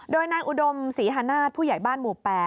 โดยนายอุดมศรีฮนาศผู้ใหญ่บ้านหมู่๘